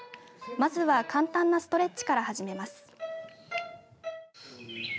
まずは簡単なストレッチから始めます。